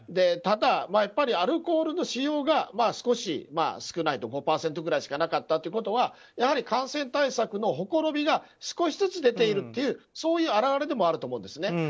ただ、アルコールの使用が少し少ない、５％くらいしかなかったということは感染対策のほころびが少しずつ出ているというそういう表れでもあると思うんですね。